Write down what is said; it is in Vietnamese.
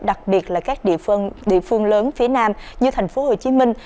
đặc biệt là các địa phương lớn phía nam như thành phố hồ chí minh